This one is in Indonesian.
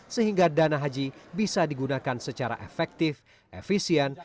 sehingga dana haji bisa digunakan secara efektif efisien